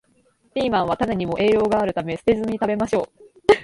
ピーマンは種にも栄養があるため、捨てずに食べましょう